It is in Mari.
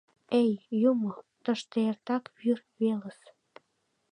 Эй, юмо-о, тыште эртак вӱр велыс...